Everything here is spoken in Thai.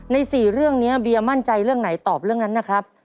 ๔เรื่องนี้เบียมั่นใจเรื่องไหนตอบเรื่องนั้นนะครับ